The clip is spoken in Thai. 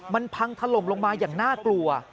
มันพังถล่มลงมาอย่างน่ากลัว